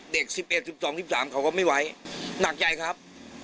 เด็กสิบเอ็ดสิบสองสิบสามเขาก็ไม่ไหวหนักใจครับ